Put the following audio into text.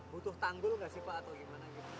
butuh tanggul nggak sih pak atau gimana gitu